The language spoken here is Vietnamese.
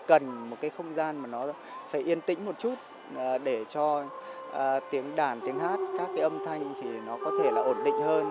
cần một cái không gian mà nó phải yên tĩnh một chút để cho tiếng đàn tiếng hát các cái âm thanh thì nó có thể là ổn định hơn